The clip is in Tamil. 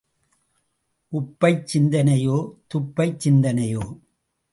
உப்பைச் சிந்தினையோ, துப்பைச் சிந்தினையோ?